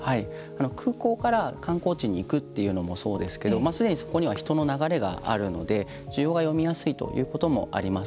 空港から観光地に行くというのもそうですけどすでにそこには人の流れがあるので需要が読みやすいということもあります。